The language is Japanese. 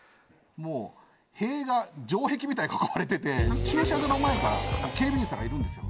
もう塀が城壁みたいに囲われてて駐車場の前から警備員さんがいるんですよ。